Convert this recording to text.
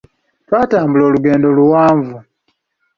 Twatambula olugendo luwanvu.